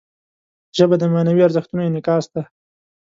ژبه د معنوي ارزښتونو انعکاس دی